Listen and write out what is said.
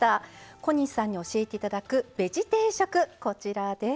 小西さんに教えて頂くベジ定食こちらです。